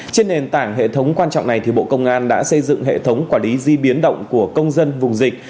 trên nền tảng hệ thống quan trọng này bộ công an đã xây dựng hệ thống quản lý di biến động của công dân vùng dịch